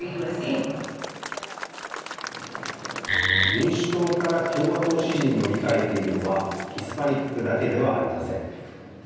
民主党から共和党支持に乗り換えているのはヒスパニックだけではありません。